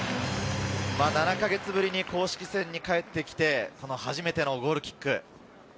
７か月ぶりに公式戦に帰ってきて初めてのゴールキック。